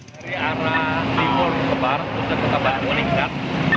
kemacetan terjadi mulai dari jalan raya raja pola hingga tengah tengah